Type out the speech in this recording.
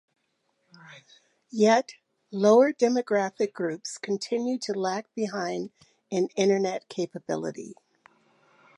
Yet, lower demographic groups continue to lack behind in internet capability.